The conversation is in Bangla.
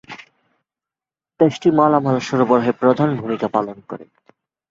দেশটি মালামাল সরবরাহে প্রধান ভূমিকা পালন করে।